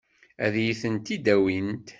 Ad iyi-tent-id-awint?